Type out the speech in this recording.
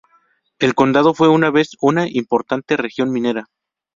El condado fue una vez una importante región minera.